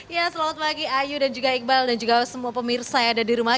ya selamat pagi ayu dan juga iqbal dan juga semua pemirsa yang ada di rumah